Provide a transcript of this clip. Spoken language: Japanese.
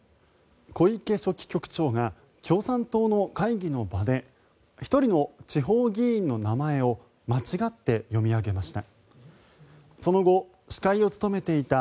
小池書記局長が共産党の会議の場で１人の地方議員の名前を間違って読み上げました。